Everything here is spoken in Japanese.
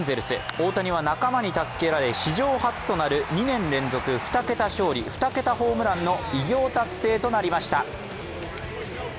大谷は仲間に助けられ、史上初となる２年連続２桁勝利、２桁ホームランの偉業達成となりました。